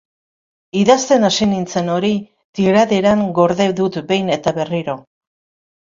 Idazten hasi nintzen hori tiraderan gorde dut behin eta berriro.